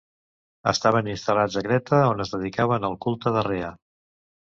Estaven instal·lats a Creta, on es dedicaven al culte de Rea.